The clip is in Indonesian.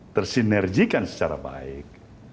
tersinerjikan secara baik